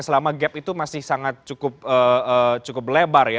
selama gap itu masih cukup lebar ya